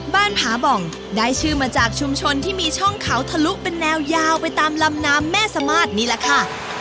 ผาบ่องได้ชื่อมาจากชุมชนที่มีช่องเขาทะลุเป็นแนวยาวไปตามลำน้ำแม่สมาธินี่แหละค่ะ